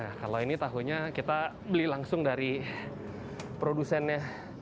nah kalau ini tahunya kita beli langsung dari produsennya